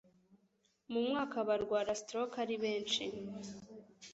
mu mwaka barwara Stroke ari benshi